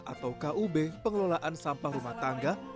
atau kub pengelolaan sampah rumah tangga